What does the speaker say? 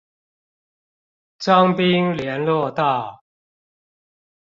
彰濱聯絡道